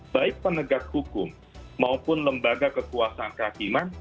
baik penegak hukum maupun lembaga kekuasaan kehakiman